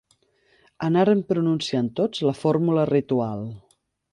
Anaren pronunciant tots la fórmula ritual.